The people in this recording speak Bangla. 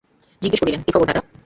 জিজ্ঞাসা করিলেন, খবর কী দাদা?